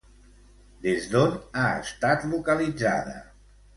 Des d'on ha estat localitzada?